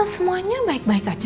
semuanya baik baik aja